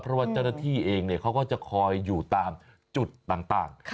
เพราะว่าเจ้าหน้าที่เองเขาก็จะคอยอยู่ตามจุดต่าง